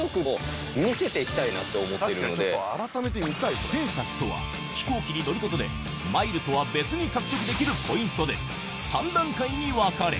ステータスとは飛行機に乗ることでマイルとは別に獲得できるポイントで３段階に分かれ